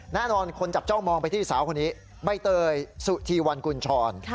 แน่นอนคนจับจ้องมองไปที่สาวคนนี้ใบเตยสุธีวันกุญชร